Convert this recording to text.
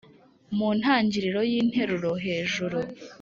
Mu ntangiriro y’interuro hejuru